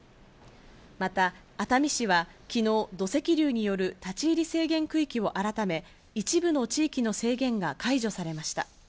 また熱海市は昨日、土石流による立ち入り制限区域を改め、一部の地域の制限が解除されました。